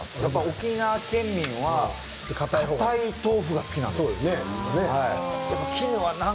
沖縄県民はかたい豆腐が好きなんです。